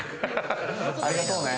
ありがとうね。